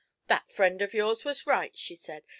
'That friend of yours was right,' she said.